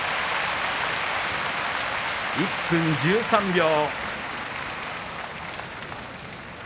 １分１３秒。